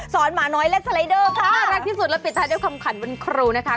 หมาน้อยเล่นสไลเดอร์ค่ะน่ารักที่สุดแล้วปิดท้ายด้วยคำขันวันครูนะคะ